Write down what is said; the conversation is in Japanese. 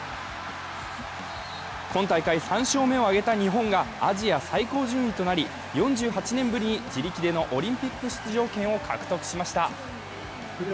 今大会３勝目を挙げた日本がアジア最高順位となり、４８年ぶりに自力でのオリンピック出場権を獲得しました。